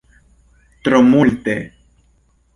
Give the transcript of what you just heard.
Tro multe!